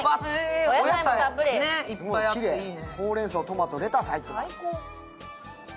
すごい、きれい、ほうれん草、トマト、レタス入っています。